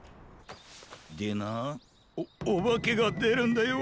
でなおおばけがでるんだよ！